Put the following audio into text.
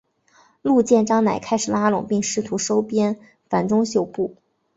陆建章乃开始拉拢并试图收编樊钟秀部。